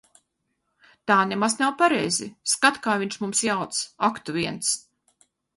Tā nemaz nav pareizi. Skat, kā viņš mums jauc. Ak tu viens.